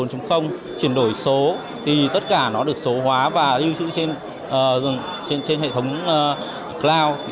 chuyển đổi số thì tất cả nó được số hóa và lưu trữ trên hệ thống cloud